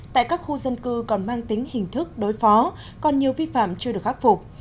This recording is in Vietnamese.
tại các khu dân cư còn mang tính hình thức đối phó còn nhiều vi phạm chưa được khắc phục